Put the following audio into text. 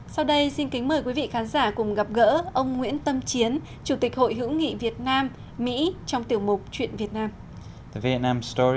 sau đây xin kính mời quý vị khán giả cùng gặp gỡ ông nguyễn tâm chiến chủ tịch hội hữu nghị việt nam mỹ trong tiểu mục chuyện việt nam